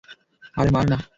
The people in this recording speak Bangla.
আরে, মার না।